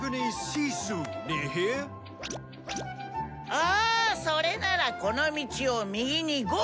ああそれならこの道を右にゴー！